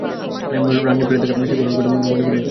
রানীর পেটের দাগ, সেই ঘটনার কথা মনে করিয়ে দেয়।